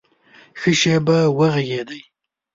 ښه شېبه وږغېدی !